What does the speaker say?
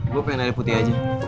gue pengen nari putih aja